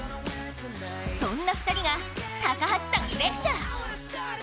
そんな２人が、高橋さんにレクチャー！